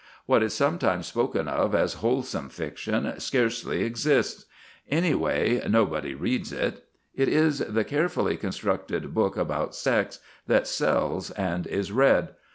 What is sometimes spoken of as wholesome fiction scarcely exists anyway, nobody reads it. It is the carefully constructed book about sex that sells and is read.